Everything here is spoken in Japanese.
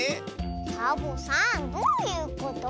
サボさんどういうこと？